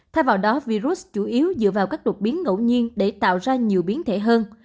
thay vào đó virus chủ yếu dựa vào các đột biến ngẫu nhiên để tạo ra nhiều biến thể hơn